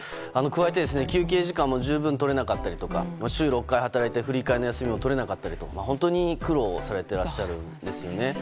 加えて、休憩時間も十分とれなかったりとか週６回働いて振り替えの休みも取れなかったりとか苦労されてらっしゃるんです。